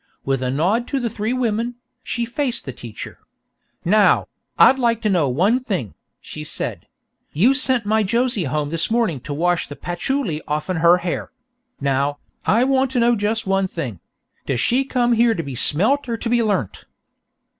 With a nod to the three women, she faced the teacher. "Now, I'd like to know one thing," she said; "you sent my Josie home this morning to wash the patchouly offen her hair; now, I want to know just one thing does she come here to be smelt or to be learnt?"